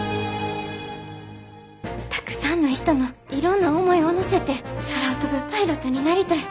たくさんの人のいろんな思いを乗せて空を飛ぶパイロットになりたい。